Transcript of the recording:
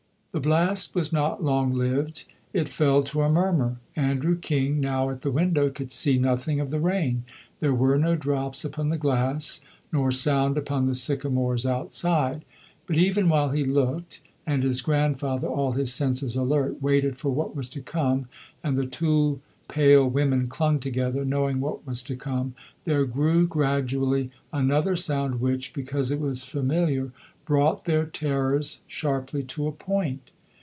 The blast was not long lived. It fell to a murmur. Andrew King, now at the window, could see nothing of the rain. There were no drops upon the glass, nor sound upon the sycamores outside. But even while he looked, and his grandfather, all his senses alert, waited for what was to come, and the two pale women clung together, knowing what was to come, there grew gradually another sound which, because it was familiar, brought their terrors sharply to a point.